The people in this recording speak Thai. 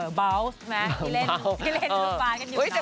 เออเบาส์ไหมที่เล่นที่เล่นสมบัติกันอยู่เนอะ